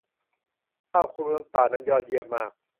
ข้าวคลุกน้ำปลา นั้นยอดเยี่ยมมาก